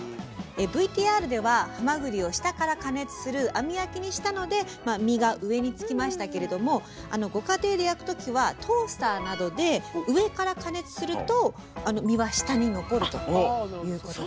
ＶＴＲではハマグリを下から加熱する網焼きにしたので身が上につきましたけれどもご家庭で焼くときはトースターなどで上から加熱すると身は下に残るということです。